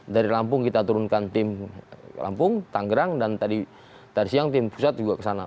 dari lampung kita turunkan tim lampung tanggerang dan tadi siang tim pusat juga ke sana